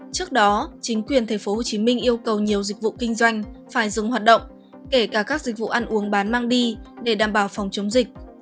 trước đó chính quyền tp hcm yêu cầu nhiều dịch vụ kinh doanh phải dừng hoạt động kể cả các dịch vụ ăn uống bán mang đi để đảm bảo phòng chống dịch